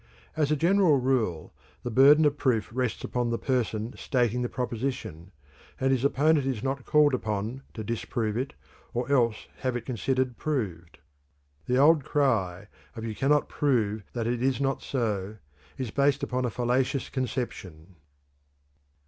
As a general rule, the burden of proof rests upon the person stating the proposition, and his opponent is not called upon to disprove it or else have it considered proved. The old cry of "You cannot prove that it is not so" is based upon a fallacious conception.